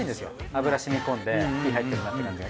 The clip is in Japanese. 油染み込んで火入ってるなって感じが。